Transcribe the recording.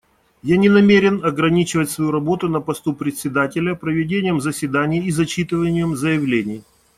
Я не намерен ограничивать свою работу на посту Председателя проведением заседаний и зачитыванием заявлений.